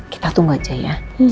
kita tunggu aja ya